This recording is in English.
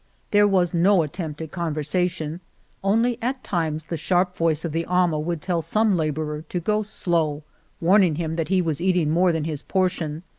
There was no attempt at conversation, only at times the sharp voice of the amo would tell some laborer to go 41 Argamasilla slow, warning him that he was eating more than his portion.